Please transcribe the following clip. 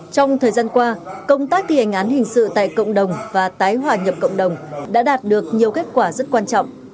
trong thời gian qua công tác thi hành án hình sự tại cộng đồng và tái hòa nhập cộng đồng đã đạt được nhiều kết quả rất quan trọng